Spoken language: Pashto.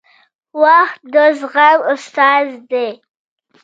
• وخت د زغم استاد دی.